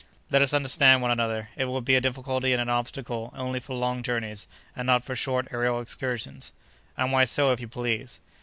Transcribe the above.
"Let us understand one another. It would be a difficulty and an obstacle only for long journeys, and not for short aërial excursions." "And why so, if you please?"